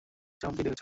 যাও, কী দেখছ?